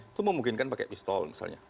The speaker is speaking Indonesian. itu memungkinkan pakai pistol misalnya